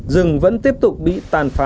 rừng vẫn tiếp tục bị tàn phá